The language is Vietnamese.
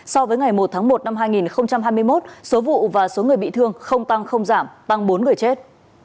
so với ngày một tháng một năm hai nghìn hai mươi một số vụ và số người bị thương không tăng không giảm tăng bốn người chết